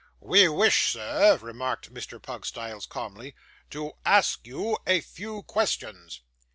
'We wish, sir,' remarked Mr. Pugstyles, calmly, 'to ask you a few questions.